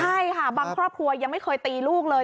ใช่ค่ะบางครอบครัวยังไม่เคยตีลูกเลย